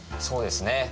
そうですね。